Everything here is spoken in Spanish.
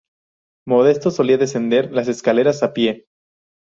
Modesto solía descender las escaleras a pie.